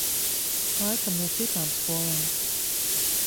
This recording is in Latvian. Laikam no citām skolām.